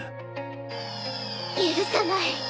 許さない！